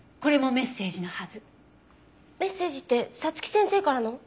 メッセージって早月先生からの？